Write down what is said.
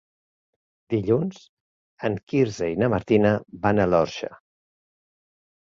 Dilluns en Quirze i na Martina van a l'Orxa.